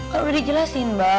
kan udah dijelasin mbah